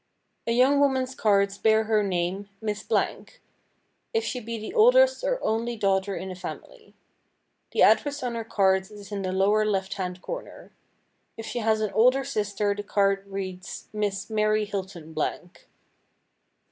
A young woman's cards bear her name, "Miss Blank," if she be the oldest or only daughter in the family. The address on her cards is in the lower left hand corner. If she has an older sister the card reads "Miss Mary Hilton Blank."